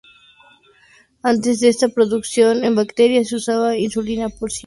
Antes de esta producción en bacterias, se usaba insulina porcina.